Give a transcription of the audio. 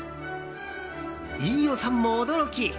飯尾さんも驚き！